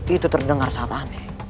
itu terdengar sangat aneh